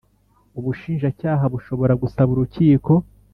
ubushinjacyaha bushobora gusaba urukiko